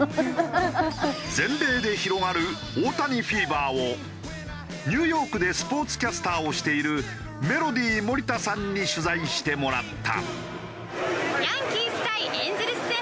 全米で広がる大谷フィーバーをニューヨークでスポーツキャスターをしているメロディーモリタさんに取材してもらった。